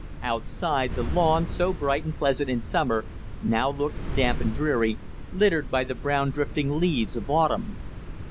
Outside, the lawn, so bright and pleasant in summer, now looked damp and dreary, littered by the brown drifting leaves of autumn.